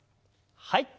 はい。